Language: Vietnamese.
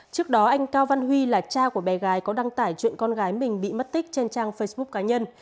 trước đó anh cao văn huy là cha của bé gái có đăng tải chuyện con gái mình bị mất tích trên trang facebook cá nhân